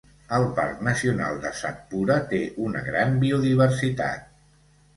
El Parc Nacional de Satpura té una gran biodiversitat.